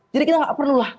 jadi kita tidak perlu lah